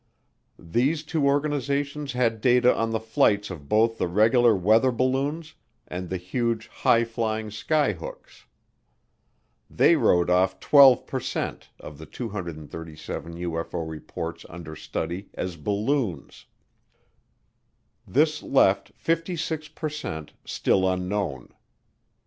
These two organizations had data on the flights of both the regular weather balloons and the huge, high flying skyhooks. They wrote off 12 per cent of the 237 UFO reports under study as balloons. This left 56 per cent still unknown.